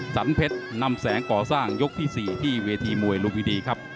สันเพชรนำแสงก่อสร้างยกที่๔ที่เวทีมวยลุมพินีครับ